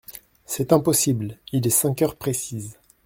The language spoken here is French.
C’est impossible ; il est cinq heures précises.